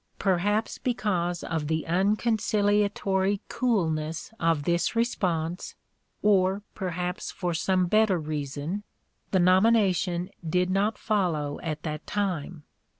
Perhaps because of the unconciliatory coolness of this response, or perhaps for some better reason, the nomination did not follow at that time.